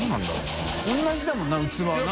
福同じだもんな器はな。